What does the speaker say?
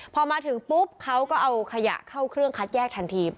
พอมาถึงปุ๊บเขาก็เอาขยะเข้าเครื่องคัดแยกทันที